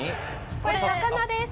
これ魚です。